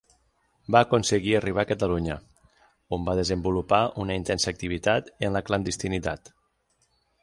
Va aconseguir arribar a Catalunya, on va desenvolupar una intensa activitat en la clandestinitat.